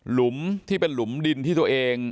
หุมที่เป็นหลุมดินที่ตัวเอง